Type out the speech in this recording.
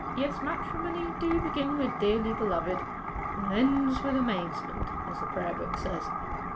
Yes, matrimony do begin wi' "Dearly beloved," and ends wi' "Amazement," as the prayer book says.